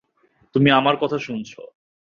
তুমি আমার কথা শুনছো।